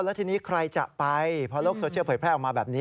แล้วทีนี้ใครจะไปพอโลกโซเชียลเผยแพร่ออกมาแบบนี้